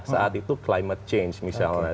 saat itu climate change misalnya